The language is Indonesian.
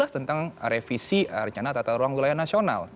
dua ribu tujuh belas tentang revisi rencana tata ruang wilayah nasional